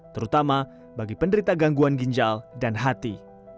terutama bagi penderita gangguan ginjal dan hati